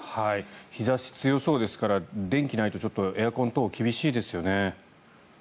日差しが強そうですから電気がないとエアコン等厳しいですよね。